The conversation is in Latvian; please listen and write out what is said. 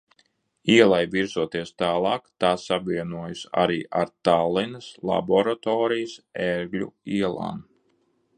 Ielai virzoties tālāk, tā savienojas arī ar Tallinas, Laboratorijas, Ērgļu ielām.